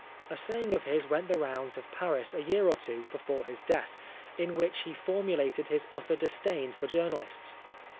A saying of his went the rounds of Paris a year or two before his death, in which he formulated his utter disdain for journalists.